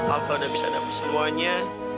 alva udah bisa dapat semuanya